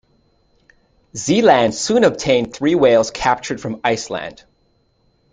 Sealand soon obtained three whales captured from Iceland.